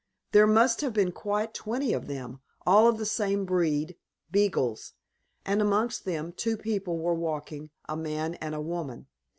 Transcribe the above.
There must have been quite twenty of them, all of the same breed beagles and amongst them two people were walking, a man and a woman.